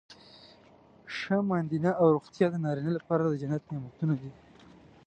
ښه ماندینه او روغتیا د نارینه لپاره د جنت نعمتونه دي.